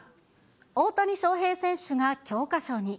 大谷翔平選手が教科書に。